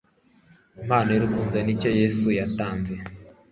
impano yurukundo nicyo yesu yatanze